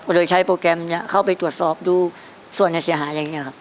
โดยใช้โปรแกรมนี้เข้าไปตรวจสอบดูส่วนเสียหายอะไรอย่างนี้ครับ